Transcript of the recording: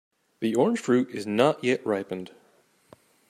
The orange fruit is not yet ripened.